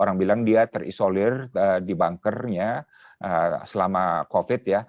orang bilang dia terisolir di bunker nya selama covid